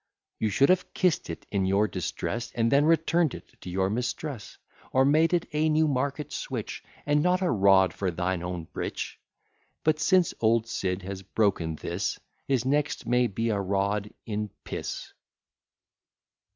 You should have kiss'd it in your distress, And then return'd it to your mistress; Or made it a Newmarket switch, And not a rod for thine own breech. But since old Sid has broken this, His next may be a rod in piss.